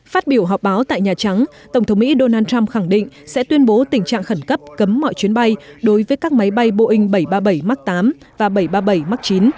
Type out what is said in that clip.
phát biểu họp báo tại nhà trắng tổng thống mỹ donald trump khẳng định sẽ tuyên bố tình trạng khẩn cấp cấm mọi chuyến bay đối với các máy bay boeing bảy trăm ba mươi bảy max tám và bảy trăm ba mươi bảy max chín